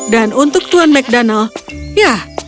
dan untuk tuan macdonald ya